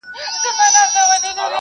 حقوق بايد په سم ډول وغوښتل سي.